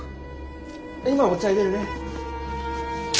今お茶いれるね。